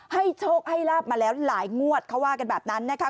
ให้โชคให้ลาบมาแล้วหลายงวดเขาว่ากันแบบนั้นนะคะ